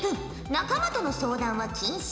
仲間との相談は禁止。